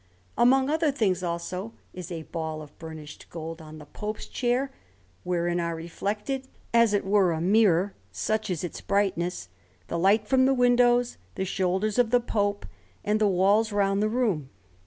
Among other things, also, is a ball of burnished gold on the Pope's chair, wherein are reflected, as if it were a mirror (such is its brightness), the light from the windows, the shoulders of the Pope, and the walls round the room.